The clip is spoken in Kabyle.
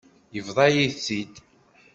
Yebḍa-yi-t-id.